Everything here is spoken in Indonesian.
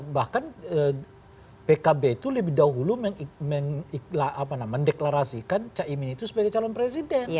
bahkan pkb itu lebih dahulu mendeklarasikan caimin itu sebagai calon presiden